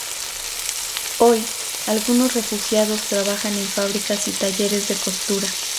Hoy, algunos refugiados trabajan en fábricas y talleres de costura.